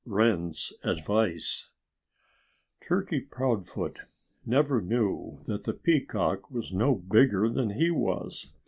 WREN'S ADVICE Turkey Proudfoot never knew that the peacock was no bigger than he was.